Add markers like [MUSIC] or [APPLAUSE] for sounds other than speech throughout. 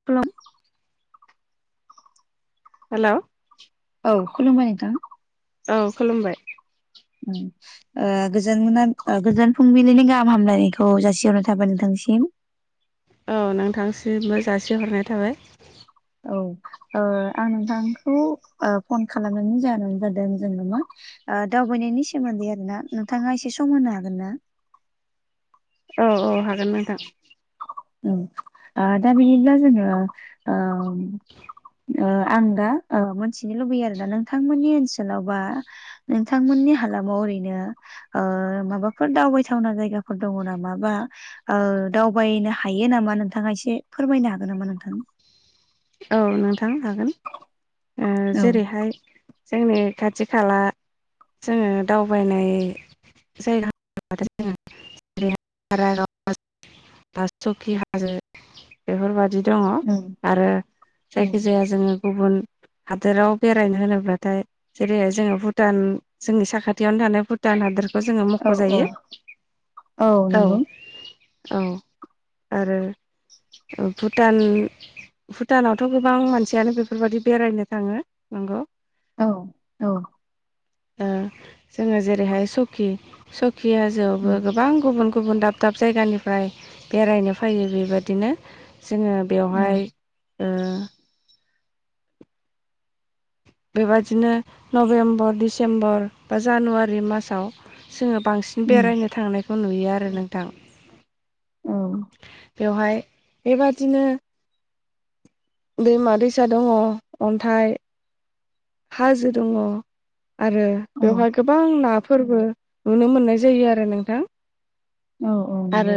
[UNINTELLIGIBLE] Hello औ खुलुमबाय नोंथां औ खुलुमबाय [INAUDIBLE] ओ गोजोन मोना गोजोन फुंबिलिनि गाहाम हामलायनायखौ जासि हरनाय थाबाय नोंथांसिम औ नोंथांसिमबो जासि हरनाय थाबाय। औ ओ आं नोंथांखौ फन खालामनायनि जाहोनाव जादों जोंनो मा ओ दावबायनायनि सोमोन्दै आरोना नोंथाङा एसे सम होनो हागोन ना? औ औ हागोन नोंथां। ओ आ दा बिदिब्ला जोङो ओ ओ आं दा मिथिनो लुबैयो आरोना नोंथांमोननि ओनसोलाव बा नोंथांमोननि हालामाव ओरैनो ओ माबाफोर दावबायथावना जायगाफोर दङ नाम बा ओ दावबायनो हा हायो नामा नोंथाङा एसे फोरमायनो हागोन नामा नोंथां? औ नोंथां हागोन ओ औ जेरैहाय जोंनि खाथि खाला जोङो दावबायनाय जायगा होनोबाथाय जोङो [UNINTELLIGIBLE] [UNINTELLIGIBLE] सकि हाजो बेफोरबायदि दङ उम आरो जायखि जाया जोङो गुबुन हादोराव बेरायनो होनोब्लाथाय जेरैहाय जोङो भुटान जोंनि साखाथियावनो थानाय भु भुटान हादरखौ जोङो औ औ मख'जायो औ औ आरो भुटान भुटानावथ' गोबां मानसियानो बेफोरबायदि बेरायनो थाङो नंगौ। औ औ ओ जोङो जेरैहाय सकि सकि हाजोआवबो उम गोबां गुबुन गुबुन दाब दाब जायगानिफ्राय बेरायनो फायो बेबादिनो जोङो उम बेवहाय ओ बेबादिनो नभेम्बर डिसेम्बर बा जानुवारि मासाव जोङो बांसि उम बेरायनो थांनायखौ नुयो आरो नोंथां। औ बेवहाय बेबादिनो दैमा दैसा दङ अन्थाइ हाजो दङ आरो औ बेवहाय गोबां नाफोरबो नुनो मोननाय जायो आरो नोंथां औ औ औ आरो नंगौ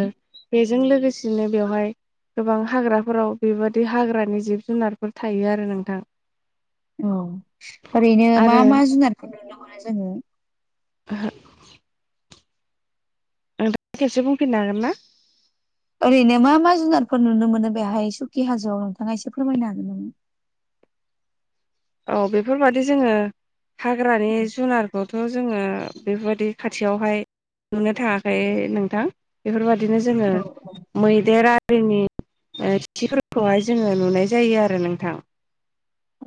बेजों लोगोसेनो बेवहाय गोबां हाग्राफोराव बेबादि हाग्रानि जिब जुनारफोर थायो आरो नोंथां औ ओरैनो मा आरो मा जुनारफोर नुनो‌ मोननाय जोङो? ओहो नोंथाङा खेबसे बुंफिननो हागोन ना? ओरैनो मा मा जुनारफोर नुनो मोनो बेहाय सुकि हाजोआव नोंथाङा एसे फोरमायनो हागोन नामा? औ बेफोरबादि जोङो हाग्रानि जुनारखौ थ' जोङो बेफोरबायदि खाथियावहाय नुनो थाङाखै नोंथां बेफोरबायदिनो जोङो औ मैदेर आरिनि ओ खिफोरखौहाय जोङो नुनाय जायो आरो नोंथां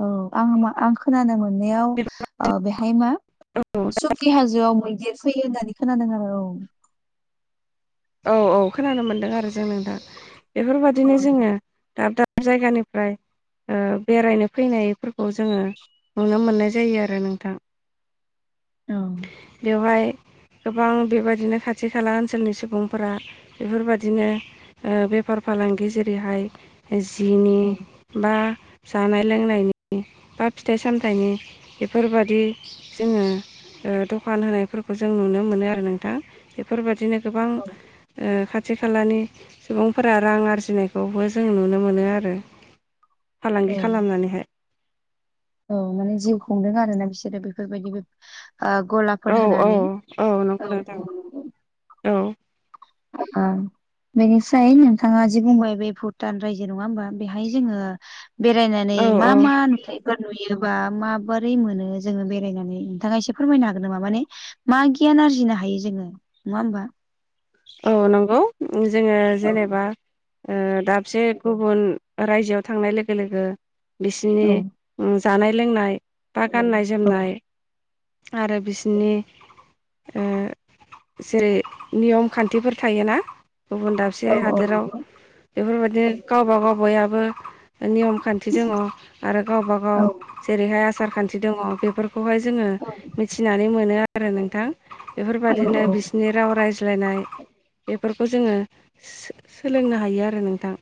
औ आं मा आं खोनानो मोननायाव बेहाय मा सकि हाजोआव मैदेर फैयो होननानै खोनादों आरो औ औ औ खोनानो मोनदों आरो जों नोंथां बेफोरबायदिनो जोङो औ दाब दाब जायगानिफ्राय बेरायनो फैनायफोरखौ जोङो नुनो मोननाय जायो आरो नोंथां औ बेवहाय गोबां बेबायदिनो खाथि खाला ओनसोलनि सुबुंफोरा बेफोरबायदिनो बेफार फालांगि जेरैहाय जिनि औ बा जानाय लोंनायनि बा फिथाइ सामथाइनि बेफोरबादि जोङो दखान होनायफोरखौ जों नुनो मोनो आरो नोंथां बेफोरबादिनो गोबां ओ खाथि खालानि सुबुंफोरा रां आरजिनायखौबो जों नुनो मोनो आरो औ फालांगि खालामनानैहाय औ माने जिउ खुंदों आरो ना बिसोरो बेफोरबायदि बे गला औ-औ-औ नंगौ नोंथां औ उम बेनिफ्राय नोंथाङा जि बुंबाय बे भुटान रायजो नङा होमबा बेहाय जोङो बेरायनानै औ मा औ मा नुथाय नुयोबा माबोरै मोनो जोङो बेरायनानै नोंथाङा एसे फोरमायनो हागोन नामा माने मा गियान आरजिनो हायो जोङो नङा ओमबा औ नंगौ जोङो औ जेनेबा ओ दाबसे गुबुन रायजोआव थांनाय लोगो लोगो औ बिसिनि ओम जानाय लोंनाय बा गाननाय औ जोमनाय आरो बिसिनि जेरै नियम खान्थिफोर थायोना गुबुन दाबसे औ हादोराव नंगौ बेफोरबायदिनो गावबा गाव बयाबो नियम खान्थि दङ आरो गावब औ गाव जेरैहाय आसार खान्थि दङ बेफोरखौहाय जोङो औ मिथिनानै मोनो आरो नोंथां औ बेफोरबायादिनो बिसिनि राव रायज्लायनाय बेफोरखौ जोङो सोलोंनो हायो आरो नोंथां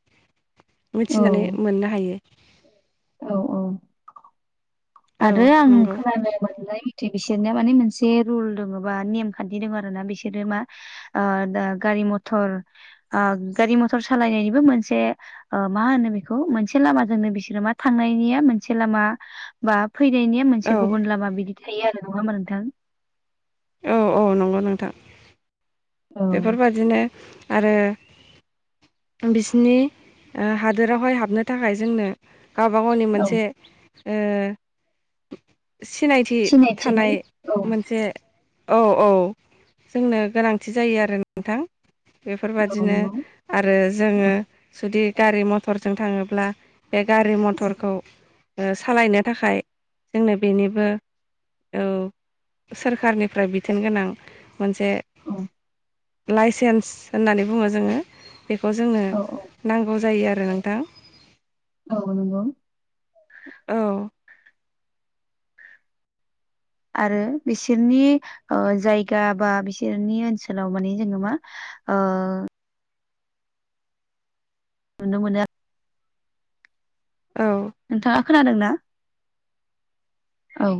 मिथिनानै मोननो हायो औ-औ औ आरो आं नंगौ खोनानो मोनलाय बिसोरनो माने मोनसे रुल दङ बा नेम खान्थि दङ आरो ना बिसोरो मा आ द गारि मथर गारि मथर सालायनायनिबो मोनसे मा होनो बेखौ मोनसे लामाजोंनो बिसोरो मा थांनायनिया मोनसे लामा बा फैनायनिया मोनसे औ गुबुन लामा बिदि थायो आरो नङा ओमबा नोंथां औ-औ नंगौ नोंथां औ बेफोरबायदिनो आरो बिसिनि हादोरावहाय हाबनो थाखाय जोंनो गावबा गावनि औ मोनसे ओ सिनायथि सिनायथिनि थानाय औ मोनसे औ-औ जोंनो गोनांथि जायो आरोना नोंथां औ बेफोरबादिनो नंगौ आरो औ जोङो जुदि गारि मथरजों थाङोब्ला बे गारि मटरखौ सालायनो थाखाय जोंनो बेनिबो औ सोरखारनिफ्राय बिथोन गोनां मोनसे औ लाइसेन्स होननानै बुङो जोङो बेखौ जोंनो औ नांगौ जायो आरो नोंथां औ नंगौ औ आरो बिसोरनि जायगा बा बिसोरनि ओनसोलाव माने जोङो मा ओ नुनो मोनो औ नोंथाङा खोनादोंना औ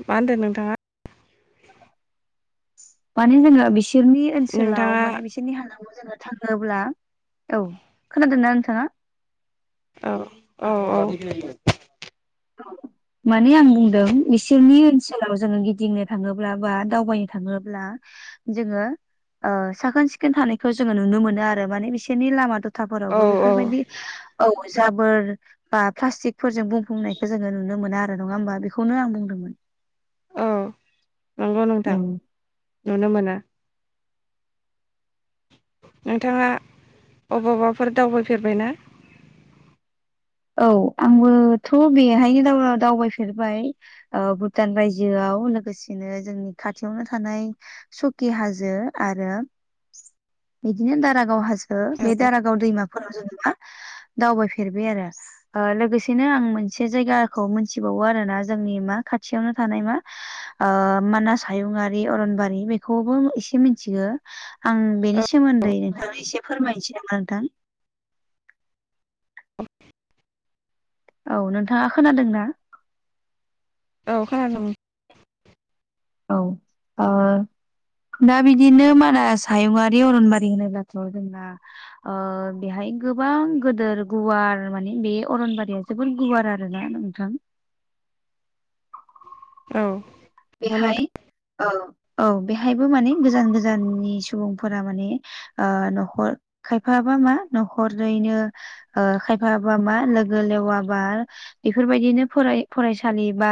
मा होनदों नोंथाङा माने जोङो बिसोरनि ओनसोलाव नोंथाङा माने बिसोर बिनि हालामाव जोंना थाङोब्ला औ खोनादों ना नोंथाङा औ औ औ औ माने आं बुंदों बिसोरनि ओनसोलाव जोङो गिदिंनो थाङोब्ला बा दावबायनो थाङोब्ला जोङो साखोन सिखोन थानायखौ जोङो नुनो मोनो आरो माने बिसोरनि लामाथ' औ रखवबो औ बेफोरबायदि औ जाबोर बा प्लाटिकफोरजों बुंफुंनाय जोङो नुनो मोना आरो नङा होमबा बेखौनो आं बुंदोंमोन औ नंगौ नोंथां उम, नुनो मोनो नोंथाङा अबावबाफोर दावबायफेरबाय ना औ आंबोथ' बेहायनो दावबायफेरबाय भुटान रायजोआव लोगोसेनो जोंनि खाथियावनो थानाय सकि हाजो आरो बिदिनो दारागाव हाजो औ बे दारागाव दैमाफोराव जेन'बा दावबायफेरबाय आरो ओ लोगोसेनो आं मोनसे जायगाखौ मोनथिबावो आरोना जोंनि मा खाथियावनो थानाय मा ओ मानास हायुंङारि अरनबारि बेखौबो एसे मिथिगो आं बेनि सोमोन्दै नोंथांनो एसे फोरमायनोसै नामा नोंथां औ औ नोंथाङा खोनादों ना औ खोनादों औ आ दा बिदिनो मानास हायुङारि अरनबारि होनोब्लाथ' जोंना ओ बेहाय गोबां गोदोर गुवार माने बे अरनबारिया जोबोर गुवार आरो ना नोंथां औ नंगौ नोंथां बेहाय औ औ बेहायबो माने गोजान गोजाननि सुबुंफोरा माने ओ न'खर खायफााबा मा न'खरैनो ओ खायफाबा मा लोगो लेवाबा बेफोरबायदिनो फराय फरायसालि बा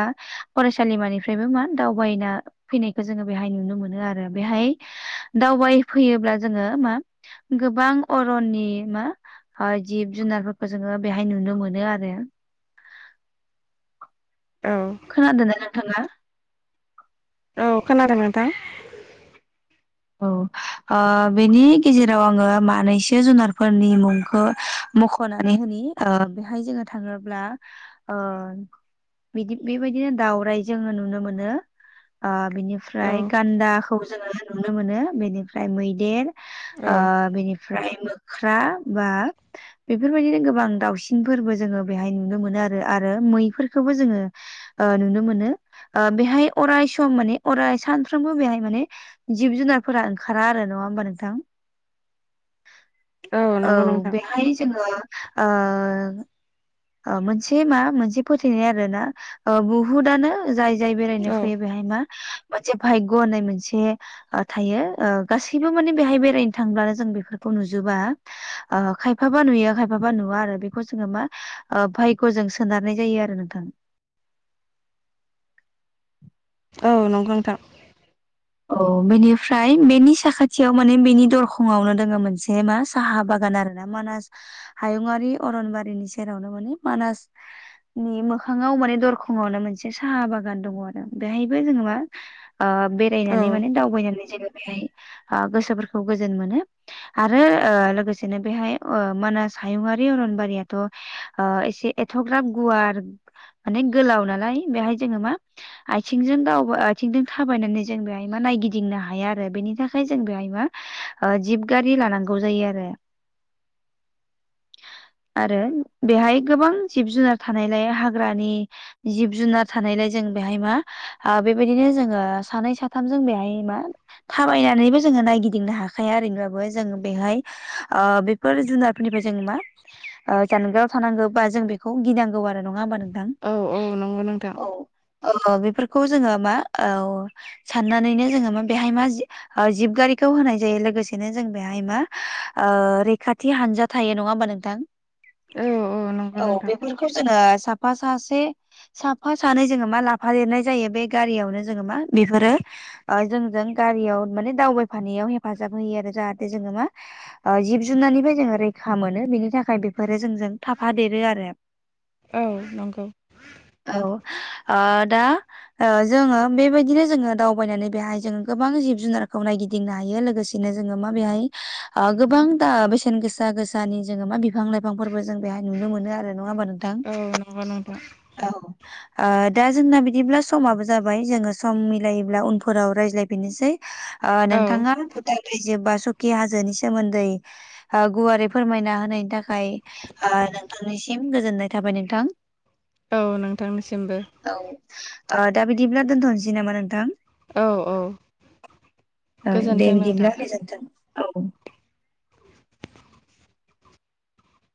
फरायसालिमानिफ्रायबो मा दावबायना फैनायखौ जोङो बेहाय नुनो मोनो आरो बेहाय दावबायफैयोब्ला जोङो मा गोबां अरननि मा जिब जुनारफोरखौ जोङो बेहाय नुनो मोनो आरो औ खोनादोंनाय नोंथाङा औ खोनादों नोंथां औ बेनि गेजेराव आङो मानैसो जुनारफोरनि मुंखौ मख'नानै होनि ओ बेहाय जोङो थाङोब्ला ओ बिदि बेबायदिनो दावराइ जोङो नुनो मोनो आ बिनि औ ओमफ्राय गान्दाखौ जोङो नुनो मोनो बेनिफ्राय मैदेर औ बेनिफ्राय ओमफ्राय मोख्रा बा बेफोरबायदिनो गोबां दाावसिनफोरबो जोङो बेहाय नुनो मोनो आरो आरो मैफोरखौबो जोङो ओ नुनो मोनो बेहाय अराय सम माने अराय सानफ्रोमबो बेहाय माने जिब जुनारफोरा ओंखारा आरो नङा होमबा नोंथां औ नंगौ नोंथां बेहाय जोङो मोनसे मा मोनसे फोथायनाय आर ना बहुदनो जाय जाय बेरायनो औ फैयो बेहाय मा मोनसे भायग होननाय मोनसे थायो गासैबो माने बेहाय बेरायनो थांब्लानो जों बेफोरखौ नुजोबा खायफाबा नुयो खायफाबा नुवा आरो बेखौ जोङो मा ओ भायग'जों सोनारनाय जायो आरो नोंथां। औ नंगौ नोंथां अ बेनिफ्राय बेनि साखाथियाव माने बेनि दरखंआवनो दोङो मोनसे मा साहा बागान आरो ना मानास हायुंङारि अरनबारिनि सेरावनो माने मानास नि मोखाङाव माने दरखंआवनो मोनसे साहा बागान दङ आरो बेहायबो जोङो मा ओ औ बेरायनानै माने दावबायनानै जे बेहाय ओ गोसोफोरखौ गोजोन मोनो। आरो ओ लोगोसेनो बेहाय ओ मानास हायुङारि अरनबारियाथ' ओ एसे एथ'ग्राम गुवार माने गोलाव नालाय बेहाय जोङो मा आथिंजों दाव आथिंजों थाबायनानै जों बेहाय मा नायगिदिंनो हाया आरो बेनि थाखाय जों बेहाय मा ओ जिब गारि लानांगौ जायो आरो। आरो बेहाय गोबां जिब जुनार थानायलाय हाग्रानि जिब जुनार थानायलाय जों बेहाय मा बेबायदिनो जोङो सानै साथाम जों बेहाय मा थाबायनानैबो जोङो नायगिदिंनो हाखाया ओरैब्लाबो जों बेहाय ओ बेफोर जुनारफोरनिफ्राय जों मा जानगाराव थानांगौ बा जों बेखौ गिनांगौ आरो नङा होमबा नोंथां। औ औ नंगौ नोंथां। औ ओ बेफोरखौ जोङो मा औ साननानैनो जोङो मा बेहाय मा ओ जिबगारिखौ होनाय जायो लोगोसेनो जों बेहाय मा रैखाथि हानजा थायो नङा होमबा नोंथां। औ नंगौ औ नोंथां बेफोरखौ जोङो साफा सासे साफा सानै जोङो मा लाफा देरनाय जायो बे गारियावनो जोङो मा बेफोरो ओ जोंजों गारियाव माने दावबायफानायाव हेफाजाब होयो आरो जाहाथे जोङो मा जिब जुनारनिफ्राय जोङो रैखा मोनो बेनि थाखाय बेफोरो जोंजों थाफ देरो आरो औ नंगौ। औ ओ दा जोङो बेबायदिनो जोङो दावबायनानै बेहाय जोङो गोबां जिब जुनारखौ नायगिदिंनो हायो लोगोसेनो जोङो मा बेहाय गोबां दा बेसेन गोसा गोसानि जोङो मा बिफां लाइफांफोरबो जों बेहाय नुनो मोनो आरो नङा हा नोंथां। औ नंगौ नोंथां। औ ओ दा जोंना बिदिब्ला समाबो जाबाय जोङो सम मिलायो। ब्ला‌ उनफोराव रायज्लायफिननोसै औ नोंथाङा जोबबा सकि हाजोनि सोमोन्दै गुवारै फोरमायना होनायनि थाखाय ओ नोंथांनिसिम गोजोननाय थाबाय नोंथां। औ नोंथांनिसिमबो औ दा बिदिब्ला दोनथ'नोसै नामा नोंथां। औ औ औ दे गोजोन्थों नोंथां बिदिब्ला गोजानथ' औ